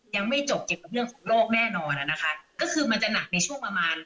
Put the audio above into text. ยังไม่จบเกี่ยวกับเรื่องของโรคแน่นอนอ่ะนะคะก็คือมันจะหนักในช่วงประมาณ